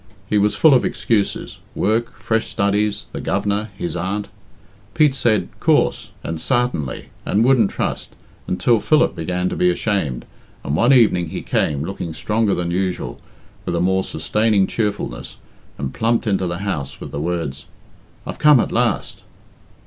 He was full of excuses work fresh studies the Governor his aunt. Pete said "Coorse," and "Sartenly," and "Wouldn't trust," until Philip began to be ashamed, and one evening he came, looking stronger than usual, with a more sustaining cheerfulness, and plumped into the house with the words, "I've come at last!"